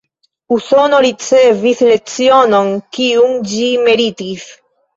Usono ricevis lecionon, kiun ĝi meritis.